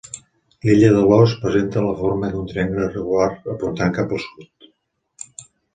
L'illa de l'Ós presenta la forma d'un triangle irregular apuntant cap al sud.